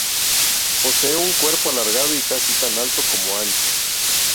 Posee un cuerpo alargado y casi tan alto como ancho.